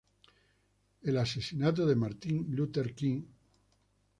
El asesinato de Martin Luther King Jr.